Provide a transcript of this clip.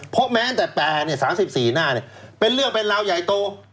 เพราะแม้แต่๘๓๔หน้าเป็นเรื่องเป็นราวใหญ่โต